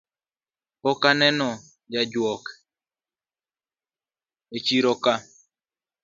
Pok aneno jakuok echiroka